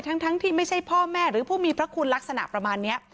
ทั้งที่ไม่ใช่พ่อแม่หรือผู้มีพระคุณลักษณะประมาณนี้